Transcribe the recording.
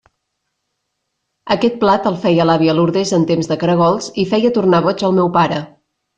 Aquest plat el feia l'àvia Lourdes en temps de caragols i feia tornar boig el meu pare.